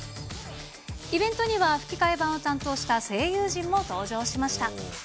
イベントには吹き替え版を担当した声優陣も登場しました。